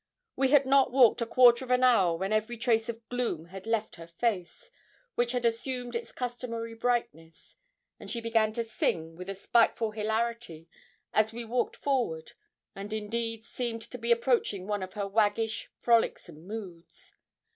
We had not walked a quarter of an hour when every trace of gloom had left her face, which had assumed its customary brightness, and she began to sing with a spiteful hilarity as we walked forward, and indeed seemed to be approaching one of her waggish, frolicsome moods.